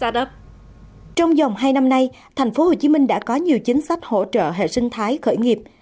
trong dòng hai năm nay thành phố hồ chí minh đã có nhiều chính sách hỗ trợ hệ sinh thái khởi nghiệp